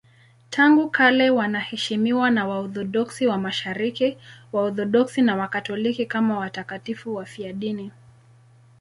Tangu kale wanaheshimiwa na Waorthodoksi wa Mashariki, Waorthodoksi na Wakatoliki kama watakatifu wafiadini.